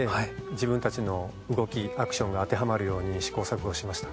自分たちの動きアクションが当てはまるように試行錯誤しました。